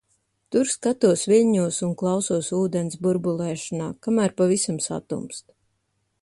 Tur skatos viļņos un klausos ūdens burbulēšanā, kamēr pavisam satumst.